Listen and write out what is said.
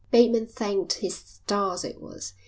Bateman thanked his stars it was.